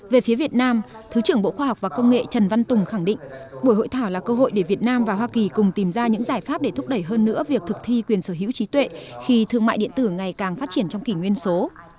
về phía việt nam thứ trưởng bộ khoa học và công nghệ trần văn tùng khẳng định buổi hội thảo là cơ hội để việt nam và hoa kỳ cùng tìm ra những giải pháp để thúc đẩy hơn nữa việc thực thi quyền sở hữu trí tuệ khi thương mại điện tử ngày càng phát triển trong kỷ nguyên số